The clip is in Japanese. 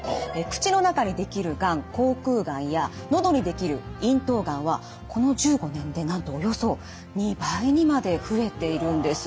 口の中にできるがん口腔がんや喉にできる咽頭がんはこの１５年でなんとおよそ２倍にまで増えているんです。